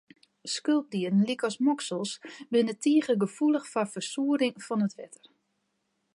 Skulpdieren lykas moksels, binne tige gefoelich foar fersuorring fan it wetter.